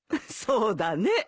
そうだね。